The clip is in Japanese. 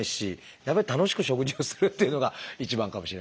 やっぱり楽しく食事をするっていうのが一番かもしれませんね。